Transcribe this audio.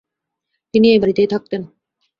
তিনি এই বাড়িতেই থাকতেন।